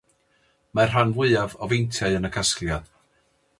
Mae'r rhan fwyaf o feintiau yn y casgliad.